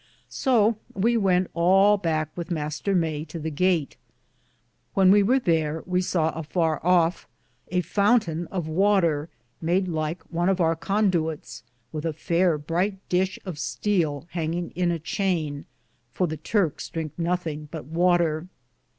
So we wente all backe with Mr. Maye to the gate. When we weare thare, he saw a farr of a fountaine of water, made lyke one of our Conducktes, with a fayre, brighte Dishe of Steele hanginge in a cheane, for the Turkes drinke nothinge but water.